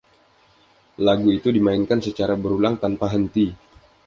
Lagu itu dimainkan secara berulang tanpa henti.